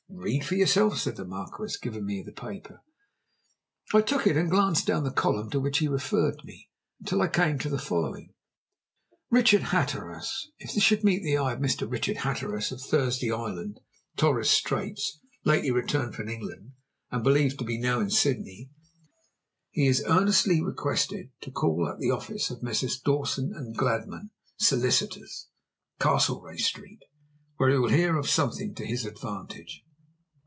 "Read for yourself," said the Marquis, giving me the paper. I took it, and glanced down the column to which he referred me until I came to the following: "Richard Hatteras. If this should meet the eye of Mr. Richard Hatteras, of Thursday Island, Torres Straits, lately returned from England, and believed to be now in Sydney; he is earnestly requested to call at the office of Messrs. Dawson & Gladman, Solicitors, Castlereagh Street, where he will hear of something to his advantage."